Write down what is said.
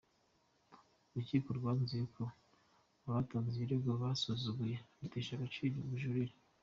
Urukiko rwanzuye ko abatanze ikirego barusuzuguye, rutesha agaciro ubujurire.